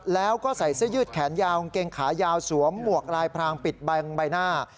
แล้วก็ใส่เสื้อยืดแขนยาวกางเกงขายาวสวมหมวกลายพรางปิดบังใบหน้า